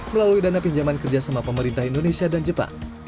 melalui dana pinjaman kerjasama pemerintah indonesia dan jepang